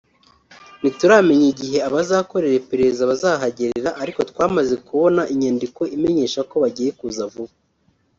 ntituramenya igihe abazakora iperereza bazahagerera ariko twamaze kubona inyandiko imenyesha ko bagiye kuza vuba